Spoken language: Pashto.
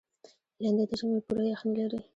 لېندۍ د ژمي پوره یخني لري.